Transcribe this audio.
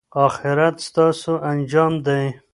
اخرت ستاسو انجام دی.